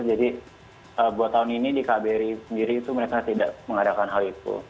jadi buat tahun ini di kbr sendiri itu mereka tidak mengadakan hal itu